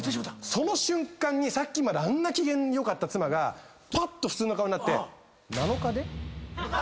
その瞬間にさっきまであんな機嫌良かった妻がぱっと普通の顔になって。